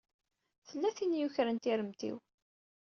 Tella tin i yukren tiremt-iw.